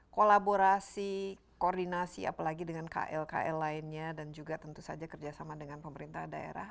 kolaborasi koordinasi apalagi dengan kl kl lainnya dan juga tentu saja kerjasama dengan pemerintah daerah